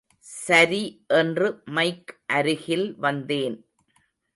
சரி என்று மைக் அருகில் வந்தேன்.